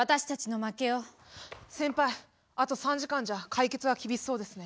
先輩あと３時間じゃ解決は厳しそうですね。